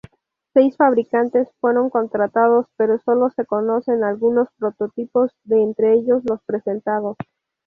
Seis fabricantes fueron contratados pero solo se conocen algunos prototipos de entre los presentados.